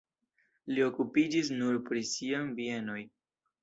Li okupiĝis nur pri sian bienoj.